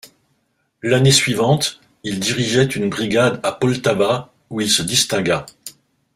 L'année suivante, il dirigeait une brigade à Poltava, où il se distingua.